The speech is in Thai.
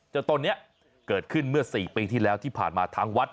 ต้นนี้เกิดขึ้นเมื่อ๔ปีที่แล้วที่ผ่านมาทางวัด